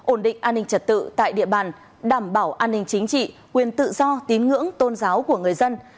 ổn định an ninh trật tự tại địa bàn đảm bảo an ninh chính trị quyền tự do tín ngưỡng tôn giáo của người dân